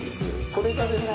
これがですね